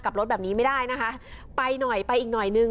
กลับรถแบบนี้ไม่ได้นะคะไปหน่อยไปอีกหน่อยนึง